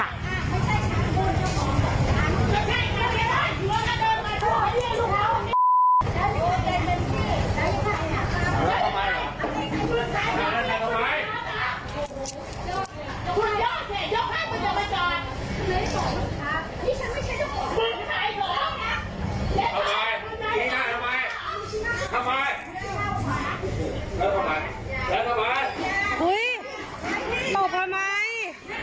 แล้วทำไมแล้วทำไมโอ้ยตบละไหม